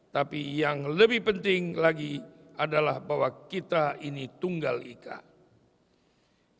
tapi yang lebih penting lagi adalah bahwa kita ini tunggal ika